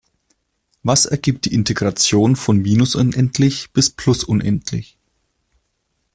Was ergibt die Integration von minus unendlich bis plus unendlich?